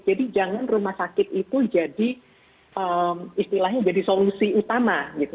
jadi jangan rumah sakit itu jadi istilahnya jadi solusi utama